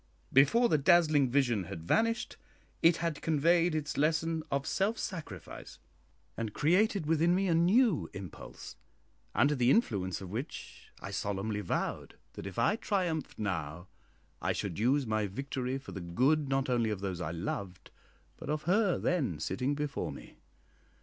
Before the dazzling vision had vanished, it had conveyed its lesson of self sacrifice, and created within me a new impulse, under the influence of which I solemnly vowed that if I triumphed now I should use my victory for the good not only of those I loved, but of her then sitting before me.